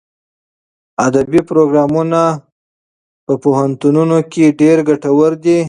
ادبي پروګرامونه په پوهنتونونو کې ډېر ګټور دي.